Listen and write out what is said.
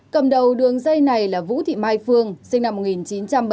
cầm đầu đường dây này là vũ thị mai phương sinh năm một nghìn chín trăm bảy mươi